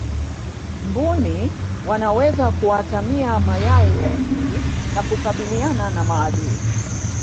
mbuni wanaweza kuatamia mayai vizuri na kukabiliana na maadui